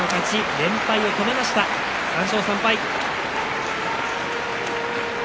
連敗を止めました３勝３敗。